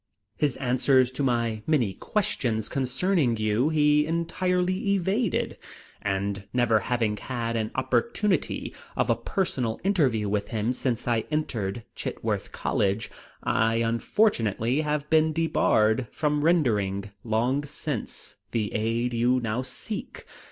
His answers to my many questions concerning you he entirely evaded, and never having had an opportunity of a personal interview with him since I entered Chitworth College, I unfortunately have been debarred from rendering long since the aid you now seek.